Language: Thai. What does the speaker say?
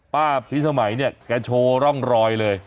ป้าพิษมัยนี่แกโชว์ร่องเรือเลย